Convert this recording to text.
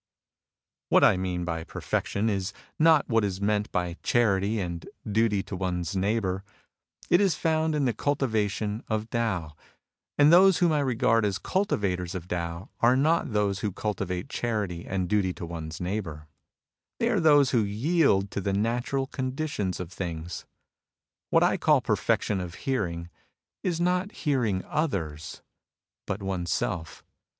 What I mean by perfection is not what is meant by charity and duty to one's neighbour. It is found in the cultivation of Tao. And those whom I regard as cultivators of Tao are not those who cultivate charity and duty to one's neigh bour. They are those who yield to the natural conditions of things. What. I call perfection of hearing is not hearing others, but oneself.